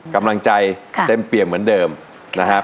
กำลังใจเต็มเปี่ยมเหมือนเดิมนะครับ